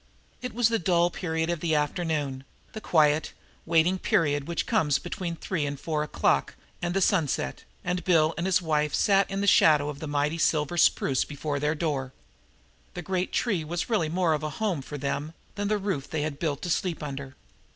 It was the dull period of the afternoon, the quiet, waiting period which comes between three or four o'clock and the sunset, and Bill and his wife sat in the shadow of the mighty silver spruce before their door. The great tree was really more of a home for them than the roof they had built to sleep under.